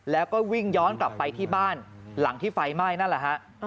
แล้วก็วิ่งย้อนกลับไปที่บ้านหลังที่ไฟไหม้นั่นแหละฮะ